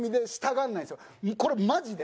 これマジで。